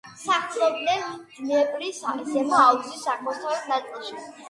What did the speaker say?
სახლობდნენ დნეპრის ზემო აუზის აღმოსავლეთ ნაწილში.